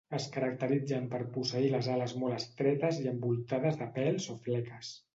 Es caracteritzen per posseir les ales molt estretes i envoltades de pèls o fleques.